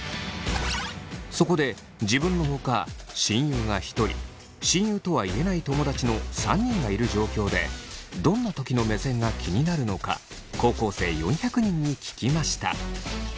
そこで自分のほか親友が１人親友とは言えない友達の３人がいる状況でどんなときの目線が気になるのか高校生４００人に聞きました。